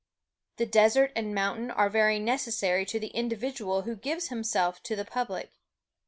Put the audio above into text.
The desert and mountain are very necessary to the individual who gives himself to the public.